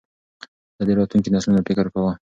ده د راتلونکو نسلونو فکر کاوه.